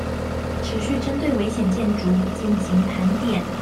持續針對危險建築進行盤點